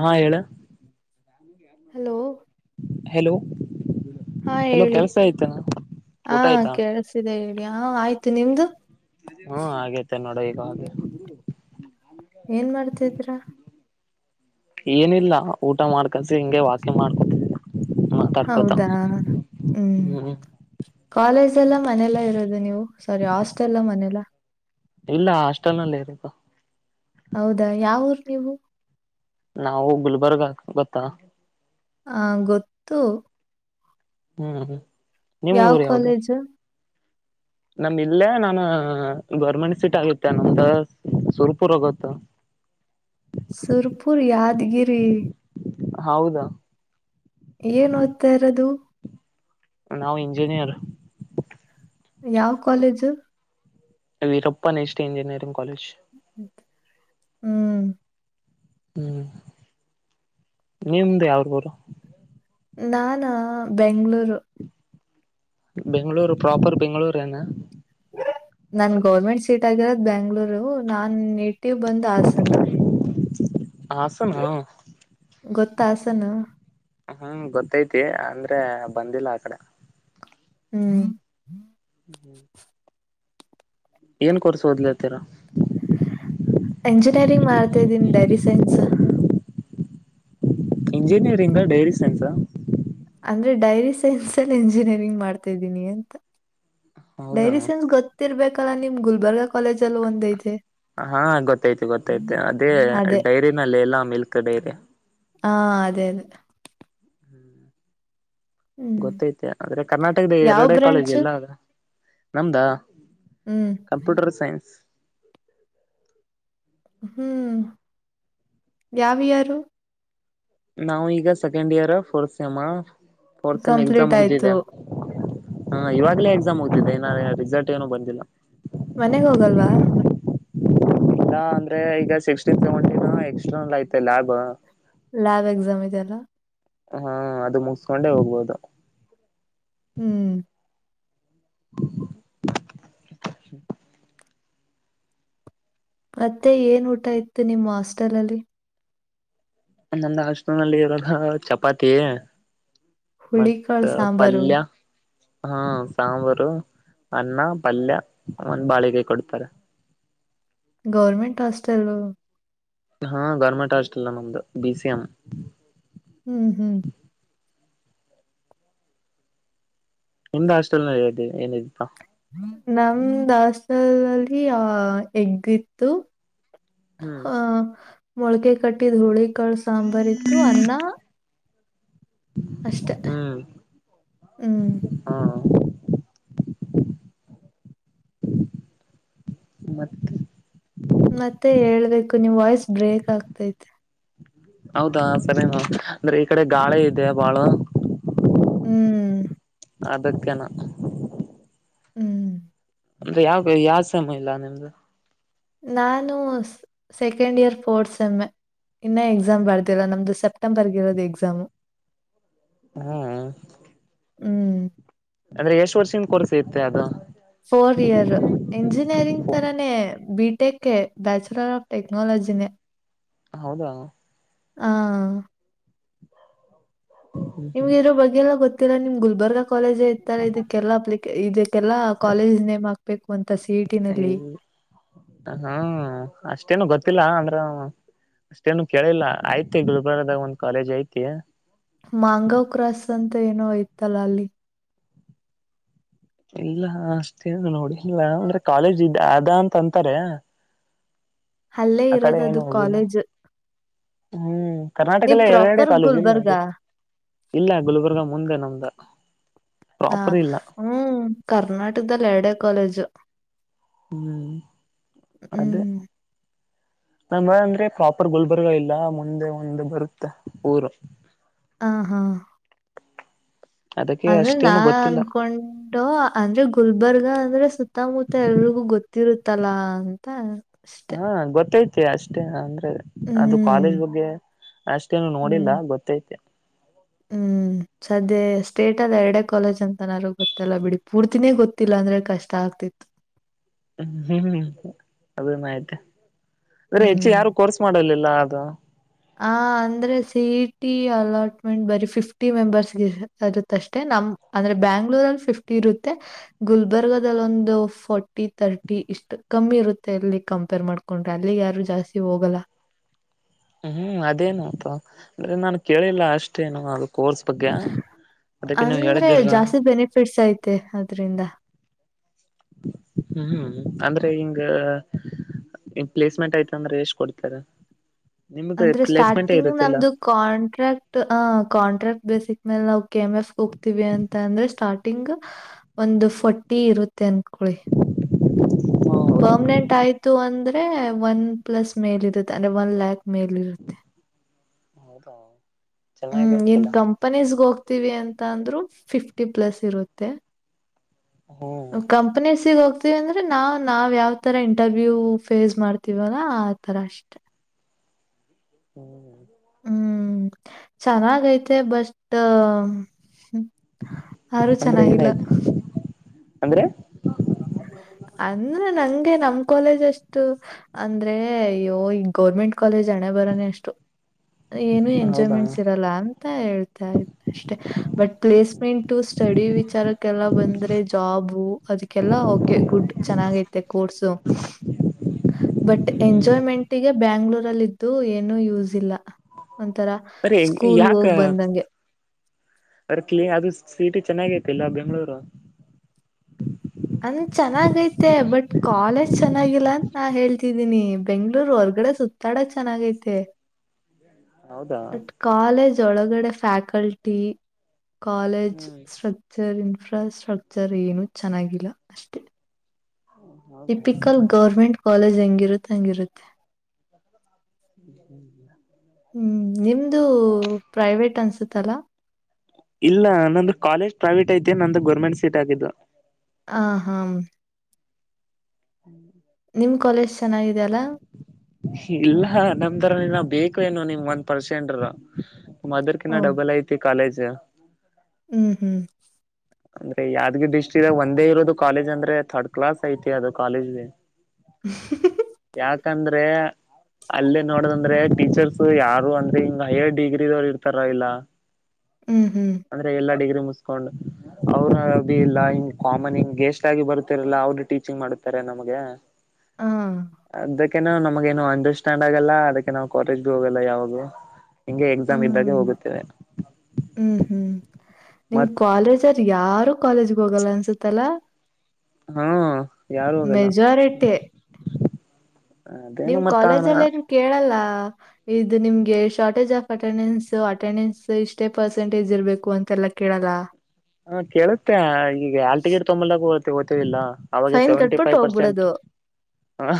ಹಾ ಹೇಳ hello. Hello ಹಾ ಹಲೋ ಹೇಳಿ ಕೆಲ್ಸ ಆಯ್ತ ಹಾ ಊಟ ಆಯ್ತಾ? ಕೇಳಸಿದೆ ಹೇಳಿ ಆಯ್ತು ನಿಮ್ದು. ಹ್ಮ ಆಗೇತೆ ನೋಡ ಈವಾಗ್. ಏನ್ ಮಾಡ್ತಿದ್ರ? ಏನಿಲ್ಲ ಊಟ ಮಾಡ್ಕನ್ಸ ಹಿಂಗೆ ವಾಕ್ಯ ಮಾಡ್ಕೊತವಿ ಮತ್ತ. ಹೌದಾ..... ಹ್ಮ್. ಕಾಲೇಜ ಎಲ್ಲ ಮನೆಲ್ಲ ಇರೋದು ನೀವು ಸಾರಿ ಹಾಸ್ಟೆಲ್ಲ ಮನೆಲ್ಲ. ಇಲ್ಲ ಹಾಸ್ಟೆಲನಲ್ಲಿ ಇಪ. ಹೌದಾ ಯಾವರ್ ನೀವು? ನಾವು ಗುಲ್ಬರ್ಗ ಆ ಗುತ್ತಾ? ಆ ಗೊತ್ತು. ಹ್ಮ್ ಹ್ಮ್. ಯಾವ ಕಾಲೇಜು? ನಮ್ಮ ಇಲ್ಲೇ ನಾನು ಗೌರ್ಮೆಂಟ್ ಸೀಟ್ ಆಗತ್ತೆ ನಂದ ಸುರ್ಪುರ್ ಹೋಗುತ್ತ. [unintelligible] ಸುರ್ಪುರ್ ಯಾದಗಿರಿ. ಹೌದಾ. ಏನ್ ಓದ್ತಾ ಇರೋದು? ನಾವು ಇಂಜಿನಿಯರ್. ಯಾವ ಕಾಲೇಜು? ವೀರಪ್ಪನ ಎಸ್ಟಿ ಇಂಜಿನಿಯರಿಂಗ್ ಕಾಲೇಜ್. ಹ್ಮ್. ಹ್ಮ್...... ನಿಮ್ದ ಯಾವ ಊರು. ನಾನಾ..... ಬೆಂಗಳೂರು. ಬೆಂಗ್ಳೂರು ಪ್ರಾಪರ್ ಬೆಂಗ್ಳೂರು ಏನ. ನನ್ ಗೌರ್ಮೆಂಟ್ ಸೀಟ್ ಆಗಿರೋದ್ ಬೆಂಗಳೂರು ನಾನ್ ನೇಟಿವ್ ಬಂದ್ ಹಾಸನ್. ಹಾಸನ್. ಗೊತ್ತಾ ಹಾಸನ್. ಹ್ಮ್ ಗೊತ್ತೈತಿ ಅಂದ್ರೆ ಬಂದಿಲ್ಲ ಆ ಕಡೆ. ಹ್ಮ್. ಹ್ಞ ಏನ್ ಕೊರ್ಸ ಓದ್ಲರ್ತೀರ? ಎಂಜಿನಿಯರಿಂಗ್ ಮಾಡ್ತಾ ಇದೀನಿ dairy science. Engineering dairy science. ಅಂದ್ರೆ ಡೈರಿ ಸೈನ್ಸ್ ಅಲ್ಲಿ ಎಂಜಿನಿಯರಿಂಗ್ ಮಾಡ್ತಾದ್ದೀನಿ ಅಂತ. ಹೌದಾ ಡೈರಿ ಸೆನ್ಸ್ ಗೊತ್ತಿರ್ಬೇಕಲ್ಲ ನಿಮ್ ಗುಲ್ಬರ್ಗಾ ಕಾಲೇಜ ಅಲ್ಲಿ ಒಂದೈತೆ. ಹಾ ಗೊತ್ತಾಯ್ತ ಗೊತ್ತಾಯ್ತ ಅದೇ ಅದೇ ಡೈರಿನಲ್ಲಿ ಎಲ್ಲ ಮಿಲ್ಕ್ ಡೈರಿ ಹಾ ಅದೇ ಅದೇ ಹ್ಮ ಹ್ಮ್ ಗೊತ್ತೈತೆ ಆದ್ರೆ ಕರ್ನಾಟಕದ ಯಾವ ಎರಡೇ ಕಾಲೇಜ್ ಬ್ರಾಂಚ್ ಎಲ್ಲ ಅದ್ರ ನಮ್ದಾ ಹ್ಮ್ ಕಂಪ್ಯೂಟರ್ ಸೈನ್ಸ್ ಹ್ಮ ಯಾವ ಇಯರ್ ನಾವು ಈಗ second year fourth sem fourth sem exam complete ಮುಗ್ದಿದ. ಆಯ್ತು ಹಾ ಇವಾಗಲೇ ಎಕ್ಸಾಮ್ ಮುಗದಿದೆ ಏನ ರಿಸಲ್ಟ್ ಏನು ಬಂದಿಲ್ಲ. ಮನೆಗ ಹೋಗಲ್ವಾ. ಇಲ್ಲ ಅಂದ್ರೆ ಈಗ ಸಿಕ್ಸ್ಟೀನ್ ತುಗೊಂಡಿನೂ ಎಕ್ಸ್ಟ್ರಲ್ ಐತೆ ಲ್ಯಾಬ್ ಲ್ಯಾಬ್ ಎಕ್ಸಾಮ ಇದೆಲ್ಲ ಹ್ಮ ಅದು ಮುಗಸ್ಕೊಂಡೆ ಹೋಗ್ಬೋದು. ಹ್ಮ ಮತ್ತೆ ಏನ್ ಊಟ ಇತ್ತು ನಿಮ್ಮ ಹಾಸ್ಟೆಲ್ ಅಲ್ಲಿ ನಂದ ಹಾಸ್ಟೋಲ್ನಲ್ಲಿ ಇರೋದ ಚಪಾತಿ ಮತ್ತ ಹುಳಿಕಾಳು ಸಾಂಬಾರು ಪಲ್ಯ ಹಾ ಸಾಂಬಾರು ಅನ್ನ ಪಲ್ಯ ಒಂದ ಬಾಳಕೈ ಕೊಡ್ತಾರ. ಗೌರ್ಮೆಂಟ್ ಹಾಸ್ಟೆಲ್ ಹಾ ಗೌರ್ಮೆಂಟ್ ಹಾಸ್ಟಲ್ ನಮ್ದ ಬಿ ಸಿ ಎಂ ಹ್ಮ ಹ್ಮ ನಿಂದ ಹಾಸ್ಟೆಲ್ [unintelligible] ನಮ್ದ ಹಾಸ್ಟೆಲ್ ಅಲ್ಲಿ ಅ ಎಗ್ ಇತ್ತು. ಹ್ಮ್ ಹ ಮೊಳ್ಕೆ ಕಟ್ಟಿದ ಹುಳಿಕಾಳ ಸಾಂಬಾರ ಇತ್ತು ಅನ್ನ ಅಷ್ಟ ಹ್ಮ್ ಹ್ಞ ಹಾ ಮತ್ತೆ ಮತ್ತೆ ಹೇಳ್ಬೇಕು ನೀವ್ ವಾಯ್ಸ್ ಬ್ರೇಕ್ ಆಗ್ತೈತಿ. ಹೌದಾ ಸರಿ ನು ಅಂದ್ರ ಈ ಕಡೆ ಗಾಳಿ ಇದೆ ಬಾಳ ಹ್ಮ ಅದಕ್ಕನ ಹ್ಮ ಅಂದ ಯಾವ ಯಾವ್ ಸಮ ಇಲ್ಲ ನಿಮ್ದು ನಾನು ಸೆಕೆಂಡ್ ಇಯರ್ ಫೋರ್ ಸೇಮ್ ಇನ್ನ ಎಕ್ಸಾಮ್ ಬರದಿಲ್ಲಾ ನಮ್ದು ಸೆಪ್ಟೆಂಬರ್ಗ ಇರೋದು ಎಕ್ಸಾಮ್. ಹ್ಮ ಹ್ಮ್ ಅಂದ್ರೆ ಎಷ್ಟ ವರ್ಷಿಂದ ಕೋರ್ಸ ಇತ್ತೆ ಅದು ಫೋರ್ ಇಯರ್ ಇಂಜಿನಿಯರಿಂಗ್ ತರಾನೇ ಬಿ ಟೆಕ್ ಬ್ಯಾಚುಲರ್ ಆಫ್ ಟೆಕ್ನಾಲಜಿನೇ ಹೌದಾ ಹಾ ಹ್ಮ್ ಹ್ಮ್ ನಿಮ್ಗ ಇರೋ ಬಗ್ಗೆಲ್ಲ ಗೊತ್ತಿಲ್ಲ ನಿಮ್ ಗುಲ್ಬರ್ಗ ಕಾಲಜ ಐ ತರ ಇದಕ್ಕೆಲ್ಲ ಅಪ್ಲಿಕ ಇದಕ್ಕೆಲ್ಲಾ ಕಾಲೇಜ್ ನೇಮ್ ಹಾಕ್ಬೇಕು ಅಂತ ಸಿಟಿ ನಲ್ಲಿ ಹ್ಮ ಅಷ್ಟೇನು ಗೊತ್ತಿಲ್ಲ ಅಂದ್ರ ಅಷ್ಟೇನು ಕೇಳಿಲ್ಲ ಐತಿ ಗುಲ್ಬರ್ಗದಾಗ ಒಂದ ಕಾಲೇಜ್ ಐತಿ. ಮಾಂಗವ್ ಕ್ರಾಸ್ ಅಂತ ಏನೋ ಐತಲ್ಲ ಅಲ್ಲಿ. ಇಲ್ಲ ಅಷ್ಟೇನ ನೋಡಿ ಇಲ್ಲ ಅಂದ್ರ ಕಾಲೇಜ್ ಇದ ಅ ಅಂತ ಅಂತಾರೆ. ಅಲ್ಲೇ ಇರೋದದು ಕಾಲೇಜ್. ಹ್ಮ ನೀವ್ ಕರ್ನಾಟಕಲ್ಲ ಎದೆಡೆ ಪ್ರಾಪರ್ ಕಾಲೇಜ ಇಲ್ಲ ಗುಲ್ಬರ್ಗ ಅದು ಇಲ್ಲಾ ಗುಲ್ಬರ್ಗ ಮುಂದೆ ನಮ್ದ ಆ, ಪ್ರಾಪರ ಇಲ್ಲಾ ಹ್ಮ್ ಕರ್ನಾಟಕದಲ್ಲ್ ಎರಡೇ ಕಾಲೇಜು ಹ್ಮ್ [inaudible] ಅದ ಹ್ಮ್ ನಮ ಅಂದ್ರೆ ಪ್ರಾಪರ್ ಗುಲ್ಬರ್ಗ ಇಲ್ಲ ಮುಂದೆ ಒಂದ್ ಬರುತ್ತೆ ಊರೂ ಆ ಹಾ. ಅದಕ್ಕೆ ಅದನ್ ನಾ ಅಷ್ಟೇನು ಗೊತ್ತಿಲ್ಲ ಅನ್ಕೊಂ ಟೋ ಅಂದ್ರೆ ಗುಲ್ಬರ್ಗ ಅಂದ್ರೆ ಸುತ್ತಮುತ್ತ ಎಲ್ರಿಗೂ ಗೊತ್ತಿರುತ್ತಲ್ಲಾ ಅಂತಾ ಹೂ ಗೊತ್ತೈತಿ ಅಷ್ಟೇ ಆದ್ರ ಅದು ಹ್ಮ್ ಕಾಲೇಜ್ ಬಗ್ಗೆ ಅಷ್ಟೇನು ನೋಡಿಲ್ಲಾ ಗೊತ್ತೈತೆ ಅಷ್ಟ ಹ್ಮ. ಸದ್ಯ ಸ್ಟೇಟ ಅದ ಎರಡೆ ಕಾಲೇಜ್ ಅಂತನಾರು ಗೊತ್ತಲ್ಲ ಬಿಡಿ ಪೂರ್ತಿನೇ ಗೊತ್ತಿಲ್ಲ ಅಂದ್ರೆ ಕಷ್ಟ ಆಗ್ತಿತ್ತು. ಹ್ಮ್ ಹ್ಮ ಅದನ್ ಆಯ್ತ ಬೆರೆ ಹೆಚ್ಚಿಗ ಹ್ಮ್ ಯಾರು ಕೋರ್ಸ್ ಮಾಡಲಿಲ್ಲ ಅದು ಆ ಅಂದ್ರೆ ಸಿ ಈ ಟಿ ಅಲಾಟ್ಮೆಂಟ್ ಬರೀ ಫಿಫ್ಟಿ ಮೆಂಬರ್ಸ್ ಗೆ ಇದೆ. ಇರುತ್ತ ಅಷ್ಟೇ ನಮ್ ಅಂದ್ರೆ ಬ್ಯಾಂಗ್ಳೂರಲ್ಲಿ ಫಿಫ್ಟಿ ಇರುತ್ತೆ ಗುಲ್ಬರ್ಗಲ್ಲಿ ಒಂದು ಫೋರ್ಟಿ ತರ್ಟಿ ಇಷ್ಟು ಕಮ್ಮಿ ಇರುತ್ತೆ ಅಲ್ಲಿ ಕಂಪೇರ್ ಮಾಡ್ಕೊ ಕ್ಕೊಂಡ್ರೆ ಅಲ್ಲಿಗೆ ಯಾರು ಜಾಸ್ತಿ ಹೋಗಲ್ಲಾ. ಹ್ಮ್ ಅದೇನೊ ಪಾ ಅಂದ್ರೆ ನಾನು ಕೇಳಿಲ್ಲ ಅಷ್ಟೇನು ಅದ ಕೋರ್ಸ್ ಬಗ್ಗೆ ಅದಕ್ಕೆ ನೀವು ಅಂದ್ರೆ ಹೇಳಿದ್ದೀರಲ್ಲಾ ಜಾಸ್ತಿ ಬೆನಿಫಿಟ್ಸ್ ಆಯ್ತ್ ತ್ತೆ ಅದ್ರಿಂದಾ ಹ್ಮ ಹ್ಮೂ ಅಂದ್ರೆ ಹಿಂಗ ಪ್ಲೇಸ್ಮೆಂಟ್ ಅಯ್ತ ಅಂದ್ರ ಎಷ್ಟ್ ಕೊಡ್ತಾರ ನಿಮ್ದ ಅಂದ್ರೆ ಪ್ಲೇಸ್ಮೆಂಟೇ ಸ್ಟಾರ್ಟಿಂಗ್ ಇರುತ್ತಿಲ್ಲಾ. ನಮ್ದು ಕಾಂಟ್ರಾಕ್ಟ್ ಅ ಕಾಂಟ್ರಾಕ್ಟ್ ಬೇಸಿಕ್ ಮೇಲೆ ನಾವು ಕೆ ಎಂ ಎಫ್ ಹೋಗ್ತೀವಿ ಅಂತ ಅಂದ್ರೆ ಸ್ಟಾರ್ಟ್ ಟಿಂಗ್ ಒಂದು ಫೋರ್ಟಿ ಇರುತ್ತೆ ಅನ್ಕೊಳ್ಳಿ [inaudible] ಹಾ. ಪರ್ಮನೆಂಟ್ ಆಯ್ತು ಅಂದ್ರೆ ಒನ್ ಪ್ಲಸ್ ಮೇಲ್ ಇರುತ್ತೆ ಅಂದ್ರೆ ಒನ್ ಲ್ಯಾಕ್ ಮೇಲ್ ಇರುತ್ತೆ. [inaudible] ಹೌದಾ. ಹ್ಮ ಇನ್ ಚೆನ್ನಾಗಿರ್ತಿಲ್ಲ ಕಂಪನೀಸ್ಗೆ ಹೋಗ್ತೀವಿ ಅಂತ ಅಂದ್ರೂ ಫಿಫ್ಟಿ ಪ್ಲಸ್ ಇರು ತ್ತೆ ಹ್ಮ್ [inaudible] ಕಂಪನಿಸ್ಗ್ ಹೋಗ್ತ ವಿ ಅಂದ್ರೆ ನಾವ್ ನಾವ್ ಯಾವ್ ತರ ಇಂಟರ್ವ್ಯೂ ಫೇಸ್ ಮಾಡ್ತೀವಲ್ಲ ಆ ತರ ಅಷ್ಟೆ. ಹ್ಮೂ. ಹ್ಮ್ ಚೆನ್ನಾಗೈತೆ ಬಟ್ [inaudible] ಆರೂ ಅಂದ್ರೆ ಚೆನ್ನಾಗಿಲ್ಲಾ ಏನಾಯ್ತು ಅಂದ್ರೆ ಅಂದ್ರೆ ನಂಗೆ ನಮ್ ಕಾಲೇಜ್ ಅಷ್ಟು ಅಂದ್ರೇ ಅಯ್ಯೋ ಈ ಗೋರ್ಮೆಂಟ್ ಕಾಲೇಜ್ ಹಣೆ ಬರಾನೆ ಅಷ್ಟು ಏನು ಹೌದಾ ಎಂಜಾಯ್ಮೆಂಟ್ಸ್ ಇರಲ್ಲಾ ಅಂತ ಹೇಳ್ತಾ ಇದ್ದೆ. ಅಷ್ಟೇ ಹ್ಹ್ ಬಟ್ ಪ್ಲೇಸ್ಮೆಂಟು ಸ್ಟಡಿ ವಿಚಾರಕ್ಕೆಲ್ಲ ಬಂದ್ರೆ ಜಾಬು ಅದಕ್ಕೆಲ್ಲಾ ಓ ಕೆ ಗುಡ್ ಚೆನ್ನಾಗೈತೆ ಕೋರ್ಸು ಸ್ಮ್ ಬಟ್ ಹ್ಮ್ ಎಂಜಾಯ್ಮೆಂಟ್ಗೆ ಬ್ಯಾಂಗ್ಳೂರಲ್ಲಿದ್ದೂ ಏನು ಯೂಸ್ ಇಲ್ಲಾ. ಒಂಥರಾ ಬರಿ ಸ್ಕೂಲ್ ಯಾಕ ಹೋಗ್ ಬಂದಂಗೆ ಕ್ಲೀ ಅದು ಸಿ ಇ ಟಿ ಚೆನ್ನಾಗೈತಿಲ್ಲಾ ಬೆಂಗಳೂರು. ಹಂಗ್ ಚೆನ್ನಾಗೈತೆ ಬಟ್ ಕಾಲೇಜ್ ಚೆನ್ನಾಗಿಲ್ಲಾ ಅಂತ ನಾ ಹೇಳ್ತಿದೀನಿ ಬೆಂಗ್ಳೂರ್ ಹೊರ್ಗಡೆ ಸುತ್ತ್ ತ್ತಾಡಕ್ ಚೆನ್ನಾಗೈತೆ. ಹೌದಾ ಬಟ್ ಕಾಲೇಜ್ ಒಳಗಡೆ ಫ್ಯಾಕಲ್ಟಿ ಕಾಲೇಜ್ ಹ್ಮ್ ಶ. ರ್ ಇನ್ಫ್ರಾಸ್ಟ್ರಕ್ಚರ್ ಏನು ಚೆನ್ನಾಗಿಲ್ಲ ಅಷ್ಟೇ. ಹೌದಾ ಟಿಪಿಕಲ್ ಗೌರ್ಮೆಂಟ್ ಕಾಲೇಜ್ ಹೆಂಗಿರುತ್ತೆ ಹಂಗಿರುತ್ತೆ. ಹ್ಮ ಹ್ಮ್. ಹ್ಮ್ ನಿಮ್ದು ಪ್ರೈವೇಟ್ ಅನ್ಸತ್ತಲಾ. ಇಲ್ಲ ನಂದು ಕಾಲೇಜ್ ಪ್ರೈವೇಟ್ ಐತಿ ನಂದು ಗೌರ್ಮೆಂಟ್ ಸೀಟ್ ಆಗಿದ್ದು. ಆ ಹಾ. ನಿಮ್ ಕಾಲೇಜ್ ಚೆನ್ನಿಗಿದೆ ಅಲ್ಲಾ. ಇಲ್ಲ ನಮ್ದಾರ ನೀ ಬೇಕು ಏನು ನಿಮ್ ಒಂದ್ ಪರ್ಸೆಂಟ್. ಓ ಮದರ್ಕನ್ನ ಡಬಲ್ ಐತಿ ಕಾಲೇಜ. ಹ್ಮ್ ಹ್ಮ್ ಅಂದ್ರೆ ಯಾದಾಗಿರಿ ಡಿಸ್ಟ್ರಿಕಗ ಒಂದೇ ಇರೋದು ಕಾಲೇಜ್ಂದ್ರೆ ತರ್ಡ್ ಕ್ಲಾಸ್ ಐತೆ ಅದು ಕಾಲೇಜ್. ಯಾಕಂದ್ರೆ? ಅಲ್ಲೇ ನೋಡದಂದ್ರೆ ಟೀಚರ್ಸ್ ಯಾರು ಅಂದ್ರೆ ಹಿಂಗ ಹೈಯರ್ ಡಿಗ್ರಿವ್ರು ಇರ್ತಾರ ಇಲ್ಲ. [unintelligible] ಹ್ಮ್ ಹ್ಮ್ ಅಂದ್ರೆ ಎಲ್ಲಾ ಡಿಗ್ರಿ ಮುಸ್ಕೊಂಡು. ಅವ್ರ ಅಭಿ ಇಲ್ಲ ಹಿಂಗ್ ಕಾಮನ್ ಹಿಂಗ ಗೆಸ್ಟ್ ಆಗಿ ಬರುತ್ತರಲ್ಲ ಅವರು ಟೀಚಿಂಗ್ ಮಾಡತಾರೆ ನಮ್ಗೆ. ಹ [unintelligible] ಹಾ... ಅದಕ್ಕೇನು ನಮಗ ಏನು ಅಂಡರ್ಸ್ಟ್ಯಾಂಡ್ ಆಗಲ್ಲ ಅದಕ್ಕೆ ನಾವ್ ಕಾಲೇಜ್ಗ ಹೋಗಲ್ಲ ಯಾವಾಗು. ಹಿಂ ಎಕ್ಸಾಮ್ ಹ್ಮ್ ಇದ್ದಾಗೆ ಹೋಗುತ್ತೇ. ಹ್ಮ್ ಹ್ಮ್ ನಿಮ್ ಮತ್ ಕಾಲೇಜರ್ ಯಾರು ಕಾಲೇಜ್ಗೆ ಹೋಗಲ್ಲ ಅನ್ಸುತ್ತಲ್ಲ. ಹ್ಮ...... ಮೆಜೋರಿಟಿ. ಅದೇನು ನಿಮ್ ಮತ್ತ ಕಾಲೇಜಲ್ಲ ಏನ್ ಹ ಕೇಳಲ್ಲ. ಇದು ನಿಮ್ಗೆ ಶಾರ್ಟೇಜ್ ಆಫ್ ಅಟೆಂಡೆನ್ಸ್ ಅಟೆಂಡೆನ್ಸ್ ಇಷ್ಟೇ ಪರ್ಸೆಂಟೇಜ್ ಇರ್ಬೇಕು ಅಂತೆಲ್ಲಾ ಕೇಳಲ್ಲ. ಹಾ ಕೇಳುತ್ತೆ ಈಗ ಹಾಲಟಿಕೆಟ್ ತೊಂಬಲ್ದಾಗ ಓತೇವಿಲ್ಲಾ. ಅವಾಗಿಂದ ಫೈನ್ ಸೆವೆಂಟಿ ಫೈ ಕಟ್ಬಿಟ್ಟು ಪರ್ಸೆಂಟ್.. ಹೋಗ್ಬಿಡೋದು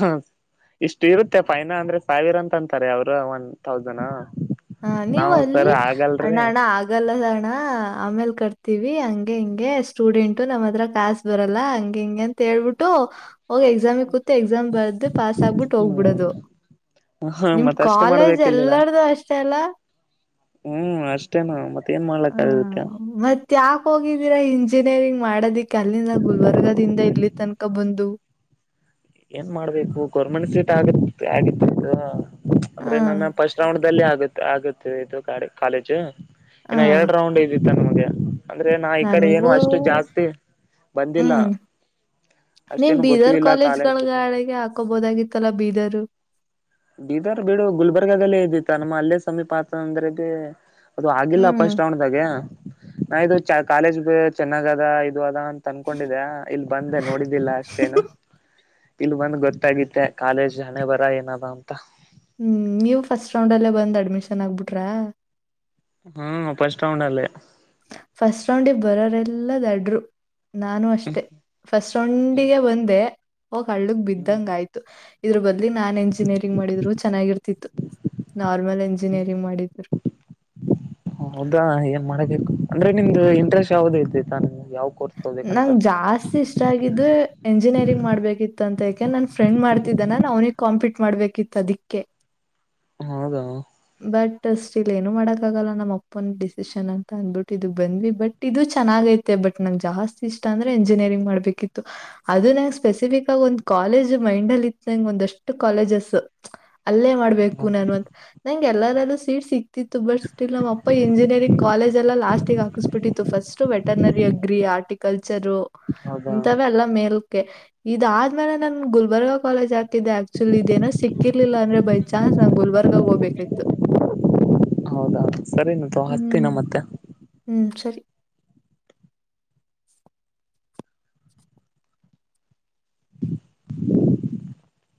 ಹ. ಇಷ್ಟು ಇರುತ್ತೆ ಫೈನ ಅಂದ್ರೆ ಸಾವಿರ ಅಂತ ಅಂತಾರೆ ಅವರು ಒನ್ ತೌಸನ್. ಹಾ ನೀವು ಅಲ್ಲಿ ಅಣ್ಣ ಅಣ ಆ. ಆಗಲ್ಲ ಸಣ ಆಮೇಲ್ ಕಟ್ತಿವಿ ಹಂಗೆ ಹಿಂಗೆ ಸ್ಟೂಡೆಂಟು ನಮ್ಮತ್ರ ಕಾಸ್ ಬರಲ್ಲ ಹಂ ಹಿಂಗೆ ಅ. ಹೇಳ್ಳ್ಬಿಟ್ಟು ಹೋಗಿ ಎಕ್ಸಾಮಿ ಕೂತ್ ಎಕ್ಸಾಮ್ ಬರ್ದು ಪಾಸ್ ಆಗ್ಬಿಟ್ಟು ಹೋಗ್ಬಿಡೋದು. ಹ್ಮ್ ಹ ನಿಮ ಮತ್ತ ಅಷ್ಟೇ ಕಾಲೇಜ್ ಮಾಡ್ಬೇಕಿಲ್ಲಿಲ್ಲ ಎಲ್ಲಾರ್ದು ಅಷ್ಟೇ ಅಲ್ಲ. ಹ್ಮ್ ಅಷ್ಟೇನು ಮತ್ತೆ ಏನ್ ಮಾಡ್ಲಕ್ಕ ಆಗಿರುತ್ತೆ. ಮತ್ತ ಯಾಕೆ ಹೋಗಿದ್ದೀರಾ ಇಂಜಿನಿಯರಿಂಗ್ ಮಾಡೋದಿಕ್ ಅಲ್ಲಿಂದ ಗುಲ್ಬರ್ಗದಿಂದ ಇಲ್ಲಿ ತನ್ಕ. ಕ್ಕ ಬಂದು. ಏನ್ ಮಾಡ್ಬೇಕು ಗೌರ್ಮೆಂಟ್ ಸೀಟ್ ಆಗ ಆಗಿತ್ತು. ಅಂದ್ರೆ ನನ್ನ ಹ ಫಸ್ಟ್ ರೌಂಡ್ಲ್ಲಿ ಆಗ ಆಗುತ್ತಿದೆ ಇದು ಕಾಲೇಜು. ಹ ಇನ್ನ ಎರಡ್ ರೌಂಡ್ ಇದ್ದಿತ್ತ ನಮಗೆ. ಅಂದ್ರೆ ನಾ ಈ ಕಡೆ ಏನು ನನ್ಗೂ ಅಷ್ಟು ಜಾಸ್ತಿ.. ಬಂದಿಲ್ಲ. ನೀಮ್ ಅಷ್ಟೇನು ಬೀದರ್ ಗೊತ್ತಿಲ್ಲ ಕಾಲೇಜ್ ಕಾಲೇಜ್ಗಳ್ಗ ಬಗ್ಗೆ ಅಳಗೆ ಹಾಕೋಬಹದಾಗಿತ್ತಲ್ಲಾ ಬೀದರ್. ಬೀದರ್ ಬಿಡು ಗುಲ್ಬರ್ಗದಲ್ಲೇ ಇದಿತ್ತ ನಮ್ಮ ಅಲ್ಲೇ ಸಮೀಪ ಆತ ಅಂದ್ರಾಗ. ಅದು ಆಗಿಲ್ಲ ಹ್ಮ್ ಪಸ್ಟ್ ರೌಂಡದಾಗ್ ನಾ ಇದು ಕಾಲೇಜ್ ಚೆನ್ನಾಗದ. ಇದು ಅದ ಅಂತ ಅನ್ಕೊಂಡಿದೆ ಇಲ್ಲಿ ಬಂದೆ ನೋಡಿದ್ದಿಲ್ಲ ಅಷ್ಟೇನು. ಇಲ್ ಬಂದ್ ಗೊತ್ತಾಗುತ್ತೆ ಕಾಲೇಜ್ ಹಣೆ ಬರ ಏನದ ಅಂತ. ಹ್ಮ್ ನೀವು ಫಸ್ಟ್ ರೌಂಡ್ ಅಲ್ಲೇ ಬಂದ್ ಅಡ್ಮಿಶನ್ ಆಗ್ಬಿಟ್ರಾ. ಹ್ಮ್ ಫಸ್ಟ್ ರೌಂಡ್ ಅಲ್ಲೆ. ಫಸ್ಟ್ ರೌಂಡಿಗೆ ಬರೋರೆಲ್ಲ ದಡ್ರು. ನಾನು ಅಷ್ಟೆ ಫಸ್ಟ್ ರೌಂಡಿಗೆ ಬಂದೆ ಹೋಗ್ ಹಳ್ಳಗ್ ಹ್ಮ್ ಬಿದ್ದಂಗ್ ಆಯ್ತು. ಇದ್ರ ಬದ್ಲಿ ನಾನ್ ಎಂಜಿನಿಯರಿಂಗ್ ಮಾಡಿದ್ರು ಚೆನ್ನಾಗಿರ್ತಿತ್ತು ನಾರ್ಮಲ್ ಎಂಜಿನಿಯರಿಂಗ್ ಮಾಡಿದ್ರು. ಹೌದಾ ಏನ್ ಮಾಡಬೇಕು ಅಂದ್ರೆ ನಿಮ್ದು ಇಂಟ್ರೆಸ್ಟ್ ಯಾವ್ದ ಇತೆ ನಿಮ್ಗೆ ಯಾವ್ ನಂಗ್ ಜಾಸ್ - - ಇಷ್ಟ ಆಗಿದ್ದು ಎಂಜಿನಿಯರಿಂಗ್ ಮಾಡ್ಬೇಕಿತ್ತು ಅಂತ ಎಕೆ ನನ್ ಫ್ರೆಂಡ್ ಮಾಡ್ತಿದ್ದಾನಾನ ಅವ್ನಿಗ್ ಕಾಂಪೀಟ್ ಮಾಡ್ಬೇಕಿತ್ತು ಅದಿಕ್ಕೆ. ಹೌದಾ. ಬಟ್ ಸ್ಟಿಲ್ ಏನು ಮಾಡಕ್ಕಾಗಲ್ಲ ನಮ್ ಅಪ್ಪನ್ ಡಿಸಿಷನ್ ಅಂತ ಅಂದ್ಬಿಟ್ಟು ಇದು ಬಂದ್ವಿ ಬಟ್ ಇದು ಚೆನ್ನಾಗೈತೆ ಬಟ್ ನಂಗ್ ಜಾಸ್ತಿ ಇಷ್ಟ ಅಂದ್ರೆ ಎಂಜಿನಿಯರಿಂಗ್ ಮಾಡ್ಬೇಕಿತ್ತು. ಅದು ನಂಗ ಸ್ಪೆಸಿಫಿಕ್ ಆಗ ಒಂದ್ ಕಾಲೇಜ್ ಮೈಂಡ್ ಅಲ್ಲಿ ಇತ್ತು ನಂಗ್ ಒಂದಷ್ಟು ಕಾಲೇಜಸ್. ಅಲ್ಲೇ ಮಾಡ್ಬೇಕು ನಾನು ಅಂತ ನಂಗ್ ಎಲ್ಲಾರಲ್ಲೂ ಸ್ವೀಟ್ ಸಿಕ್- ಇತ್ತು ಬಟ್ ಸ್ಟಿಲ್ ನಮ್ಮಪ್ಪ ಇಂಜಿನಿಯರಿಂಗ್ ಕಾಲೇಜೆಲ್ಲ ಲಾಸ್ಟ ಹಾಕಿಸಸ್ಬಿಟ್ಟಿತ್ತು ಫಸ್ಟ್ ವೆಟರ್ನರಿ ಆ ಹಾರ್ಟಿಕಲ್ಚರು ಹೌದಾ ಇಂತವೆಲ್ಲ ಮೇಲ್ಕೆ. ಇದಾದ್ಮೇಲೆ ನನ್ ಗುಲ್ಬರ್ಗ ಕಾಲೇಜ್ ಹಾತಿದ್ದೆ ಆಕ್ಚುಲಿ ಇದೆನೋ ಸಿಕ್ಕಿರ್ಲಿಲ್ಲ ಅಂದ್ರೆ ಬೈ ಚಾ ನಾನ್ ಗುಲ್ಬರ್ಗ ಹೋಗ್ಬೇಕಿತ್ತು. ಹೌದಾ ಸರಿನಪ್ಪ ಹ್ಮ್ ಹತ್ತಿನ ಮತ್ತೆ. ಹ್ಮ್ ಸರಿ [unintelligible]